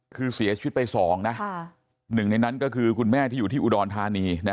คือเสียชีวิตไป๒นะหนึ่งในนั้นก็คือคุณแม่ที่อยู่ที่อุดรธานี